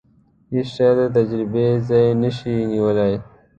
هیڅ شی د تجربې ځای نشي نیولای.